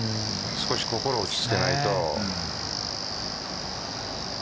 少し心を落ち着けないと。